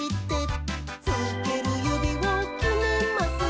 「つけるゆびをきめます」